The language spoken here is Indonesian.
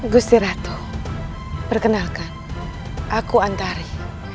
gusti ratu perkenalkan aku antari